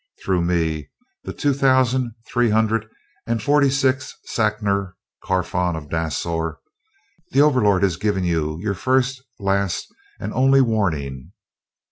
Through me, the two thousand three hundred and forty sixth Sacner Carfon of Dasor, the Overlord has given you your first, last and only warning.